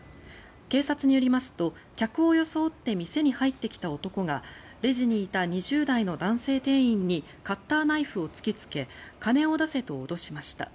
警察によりますと客を装って店に入ってきた男がレジにいた２０代の男性店員にカッターナイフを突きつけ金を出せと脅しました。